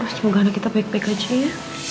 semoga anak kita baik baik aja ya